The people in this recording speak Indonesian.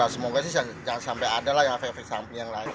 semoga sih jangan sampai ada lah yang efek efek samping yang lain